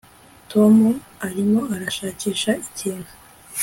Tom arimo arashakisha ikintu